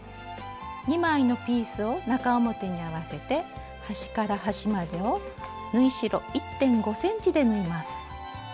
２枚のピースを中表に合わせて端から端までを縫い代１．５ｃｍで縫います。